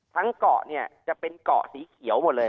เกาะเนี่ยจะเป็นเกาะสีเขียวหมดเลย